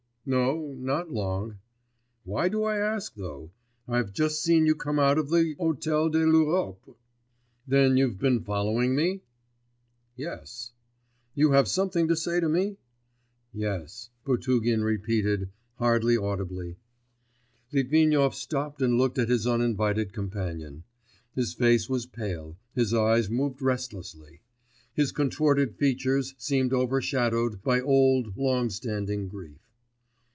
'No, not long.' 'Why do I ask though; I've just seen you come out of the Hôtel de l'Europe.' 'Then you've been following me?' 'Yes.' 'You have something to say to me?' 'Yes,' Potugin repeated, hardly audibly. Litvinov stopped and looked at his uninvited companion. His face was pale, his eyes moved restlessly; his contorted features seemed overshadowed by old, long standing grief.